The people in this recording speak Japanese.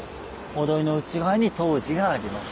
御土居の内側に東寺があります。